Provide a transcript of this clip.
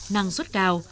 năng suất cao